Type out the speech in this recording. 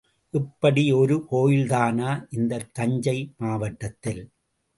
இப்படி ஒரு கோயில்தானா இந்தத் தஞ்சை மாவட்டத்தில்?